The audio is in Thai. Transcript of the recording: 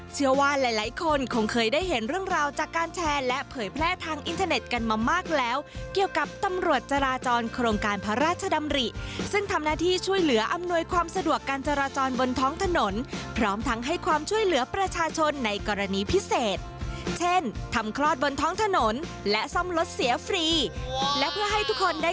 เชื่อว่าหลายคนคงเคยได้เห็นเรื่องราวจากการแชร์และเผยแพร่ทางอินเทอร์เน็ตกันมามากแล้วเกี่ยวกับตำรวจจราจรโครงการพระราชดำริซึ่งทำหน้าที่ช่วยเหลืออำนวยความสะดวกการจราจรบนท้องถนนพร้อมทั้งให้ความช่วยเหลือประชาชนในกรณีพิเศษเช่นทำคลอดบนท้องถนนและซ่อมรถเสียฟรีและเพื่อให้ทุกคนได้